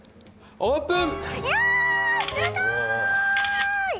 オープン！